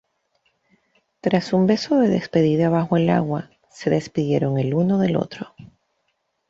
Tras un beso de despedida bajo el agua, se despidieron el uno del otro.